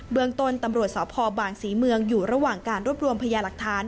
เมืองต้นตำรวจสพบางศรีเมืองอยู่ระหว่างการรวบรวมพยาหลักฐาน